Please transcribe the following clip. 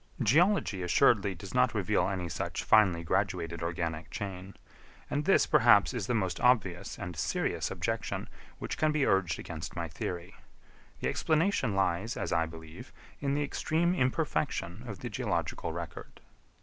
Geology assuredly does not reveal any such finely graduated organic chain; and this, perhaps, is the most obvious and serious objection which can be urged against my theory. The explanation lies, as I believe, in the extreme imperfection of the geological record.